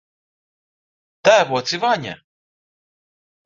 Tēvoci Vaņa!